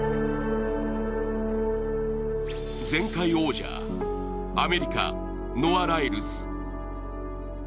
前回王者、アメリカノア・ライルズ。